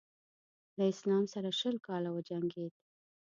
له اسلام سره شل کاله وجنګېد.